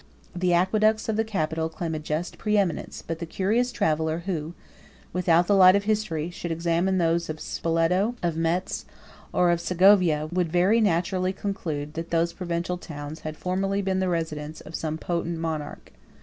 The aqueducts of the capital claim a just preeminence; but the curious traveller, who, without the light of history, should examine those of Spoleto, of Metz, or of Segovia, would very naturally conclude that those provincial towns had formerly been the residence of some potent monarch.